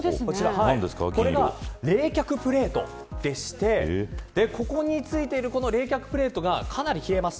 これが冷却プレートでしてここについている冷却プレートがかなり冷えます。